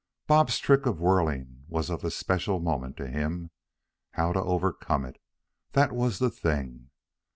Bob's trick of whirling was of especial moment to him. How to overcome it, that was the thing.